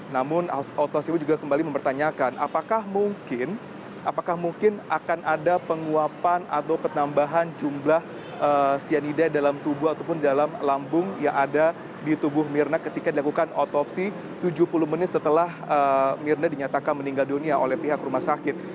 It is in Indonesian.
namun otosiwo juga kembali mempertanyakan apakah mungkin apakah mungkin akan ada penguapan atau penambahan jumlah cyanida dalam tubuh ataupun dalam lambung yang ada di tubuh mirna ketika dilakukan otopsi tujuh puluh menit setelah mirna dinyatakan meninggal dunia oleh pihak rumah sakit